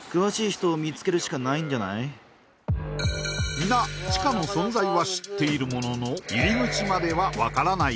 皆地下の存在は知っているものの入り口までは分からない